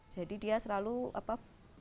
jadi dia selalu apa